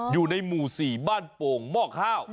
อยู่ในหมู่๔บ้านโป่งหม้อข้าว